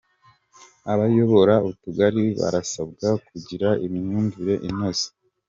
Abayobora utugari barasabwa kugira imyumvire inoze